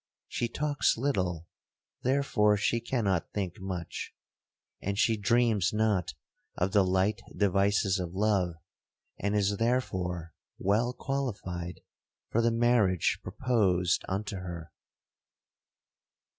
She talks little, therefore she cannot think much; and she dreams not of the light devices of love, and is therefore well qualified for the marriage proposed unto her.